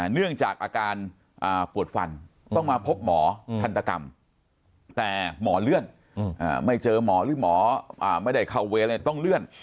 เนื่องจากอาการปวดฟันต้องมาพบหมอทันตกรรมแต่หมอเลื่อนไม่เจอหมอหรือหมอไม่ได้เข้าเวรอะไรต้องเลื่อน